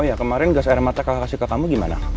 ya kemarin gas air mata kakak kasih ke kamu gimana